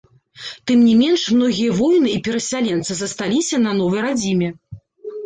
Тым не менш, многія воіны і перасяленцы засталіся на новай радзіме.